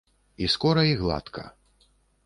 І скора і гладка.